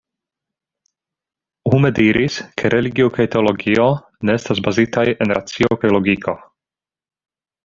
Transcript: Hume diris ke religio kaj teologio ne estas bazitaj en racio kaj logiko.